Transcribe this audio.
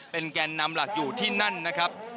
แกนนำหลักอยู่ที่นั่นนะครับ